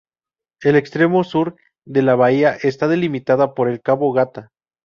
El extremo sur de la bahía está delimitada por el cabo Gata.